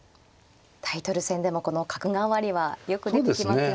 タイトル戦でもこの角換わりはよく出てきますよね。